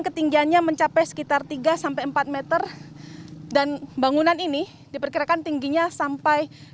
ketinggiannya mencapai sekitar tiga sampai empat meter dan bangunan ini diperkirakan tingginya sampai